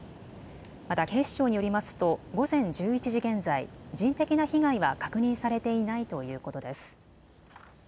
また警視庁によりますと午前１１時現在、人的な被害は確認されていないということです。